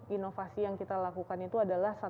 inovasi yang kita lakukan itu adalah